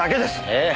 ええ。